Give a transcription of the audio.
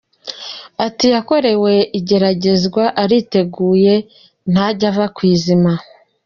Ati “Yakorewe igeragezwa, ariteguye, ntajya ava ku izima.